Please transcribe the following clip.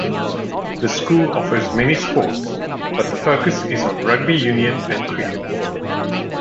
The school offers many sports; but the focus is on rugby union and cricket.